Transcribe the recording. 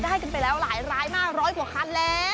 ได้กันไปแล้วหลายรายมากร้อยกว่าคันแล้ว